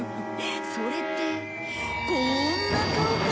それってこんな顔かい？